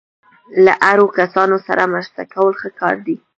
له اړو کسانو سره مرسته کول ښه کار دی.